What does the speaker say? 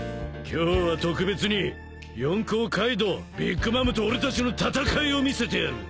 今日は特別に四皇カイドウビッグ・マムと俺たちの戦いを見せてやる。